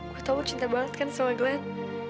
gue tau lo cinta banget kan sama glenn